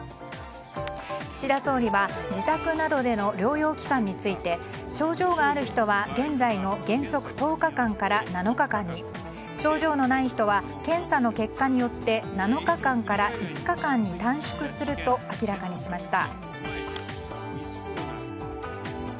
岸田総理は自宅などでの療養期間について症状がある人は現在の原則１０日間から７日間に症状のない人は検査の結果によって７日間から５日間に短縮すると明らかにしました。